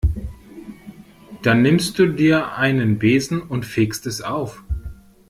Dann nimmst du dir einen Besen und fegst es auf.